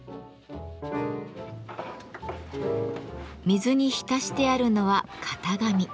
水に浸してあるのは型紙。